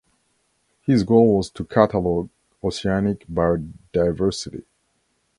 His goal was to catalog oceanic biodiversity.